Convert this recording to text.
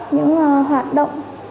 những hoạt động